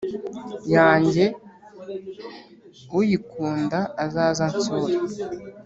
yanjye uyikunda azaze ansure